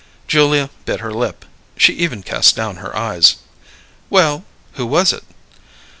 Julia bit her lip; she even cast down her eyes. "Well, who was it?"